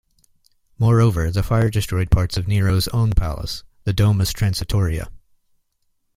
Moreover, the fire destroyed parts of Nero's own palace, the Domus Transitoria.